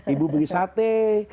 ibu beli sate